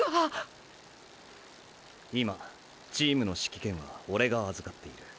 今チームの指揮権はオレが預かっている。